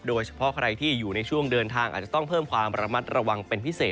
โดยเฉพาะใครที่อยู่ในช่วงเดินทางอาจจะต้องเพิ่มความระมัดระวังเป็นพิเศษ